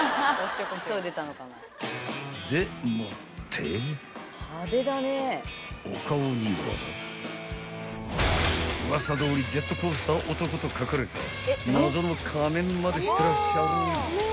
［でもってお顔にはウワサどおり「ジェットコースター男」と書かれた謎の仮面までしてらっしゃる］